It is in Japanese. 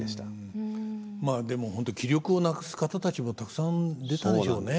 まあでもホント気力をなくす方たちもたくさん出たでしょうね。